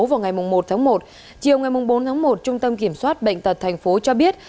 vào ngày một tháng một chiều ngày bốn tháng một trung tâm kiểm soát bệnh tật thành phố cho biết